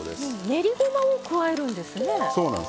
練りごまを加えるんですね。